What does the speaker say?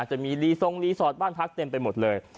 จะมีรีทรงรีสอร์ทบ้านพักเต็มไปหมดเลย